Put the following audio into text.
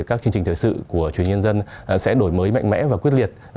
các chương trình thời sự của truyền hình nhân dân sẽ đổi mới mạnh mẽ và quyết liệt